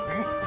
ini saya regar